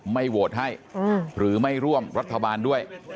ไม่โหวตให้หรือไม่ร่วมรัฐบาลด้วย